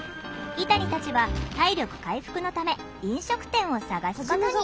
イタニたちは体力回復のため飲食店を探すことに。